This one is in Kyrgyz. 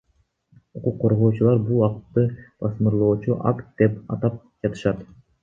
Укук коргоочулар бул актты басмырлоочу акт деп атап жатышат.